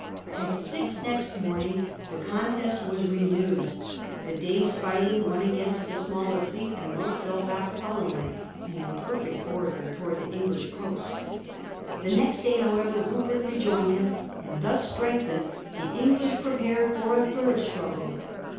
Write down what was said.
At six next Battle of morning the contest was renewed. The day's Junes. fighting went against the smaller fleet, and Monk fell back sullenly and in perfect order towards the English coast. The next day however Rupert re joined him, and, thus strengthened, the English prepared for a third struggle.